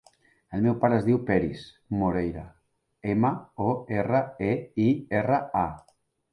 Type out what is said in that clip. El meu pare es diu Peris Moreira: ema, o, erra, e, i, erra, a.